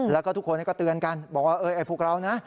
แล้วก็ทุกคนก็เตือนกันบอกว่าไอ้พวกเรานะ